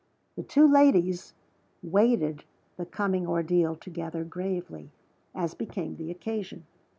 The two ladies waited the coming ordeal together gravely, as became the occasion.